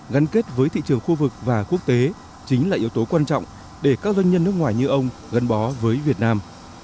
gắn kết với thị trường khu vực và quốc tế chính là yếu tố quan trọng để các doanh nhân nước ngoài như ông gắn bó với việt nam